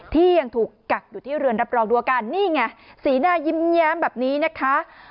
ที่ยังถูกกักอยู่ที่เรือนรับรองดูอาการนี่ไงสีหน้ายิ้มแย้มแบบนี้นะคะ